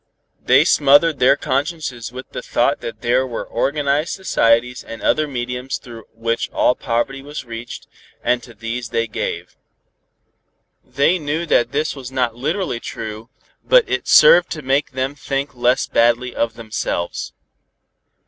They smothered their consciences with the thought that there were organized societies and other mediums through which all poverty was reached, and to these they gave. They knew that this was not literally true, but it served to make them think less badly of themselves.